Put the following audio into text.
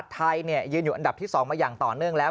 ไทยยืนอยู่อันดับที่๒มาอย่างต่อเนื่องแล้ว